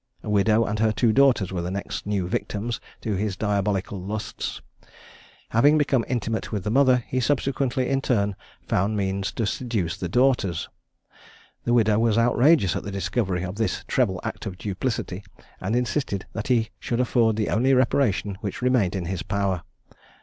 A widow and her two daughters were the next new victims to his diabolical lusts. Having become intimate with the mother, he subsequently, in turn, found means to seduce the daughters. The widow was outrageous at the discovery of this treble act of duplicity, and insisted that he should afford the only reparation which remained in his power.